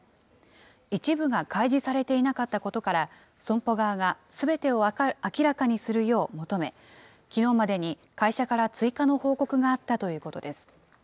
一部が開示されていなかったことから、損保側がすべてを明らかにするよう求め、きのうまでに会社から追加の報告があったということです。